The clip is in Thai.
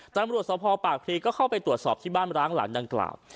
ตามรวชสอบภอพปากภีร์ก็เข้าไปตรวจสอบที่บ้านร้านหลังดังกล่าว